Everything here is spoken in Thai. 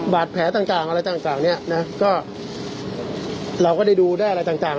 บาดแผลต่างต่างอะไรต่างต่างเนี้ยนะก็เราก็ได้ดูได้อะไรต่างต่าง